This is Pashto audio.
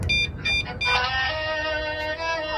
د تیرو پيښو فکر کول یوازې د ارزونې لپاره ګټور دی.